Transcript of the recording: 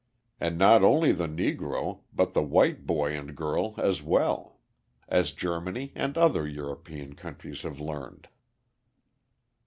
And not only the Negro, but the white boy and girl as well as Germany and other European countries have learned.